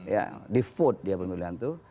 ya di food dia pemilihan itu